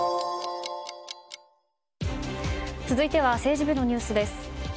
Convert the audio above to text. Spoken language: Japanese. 続いては政治部のニュースです。